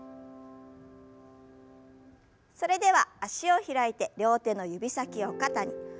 それでは脚を開いて両手の指先を肩に。